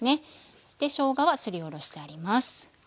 そしてしょうがはすりおろしてあります。